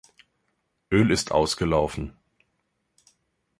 Öl ist ausgelaufen.